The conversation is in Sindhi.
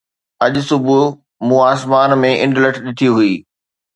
اڄ صبح مون آسمان ۾ انڊلٺ ڏٺي هئي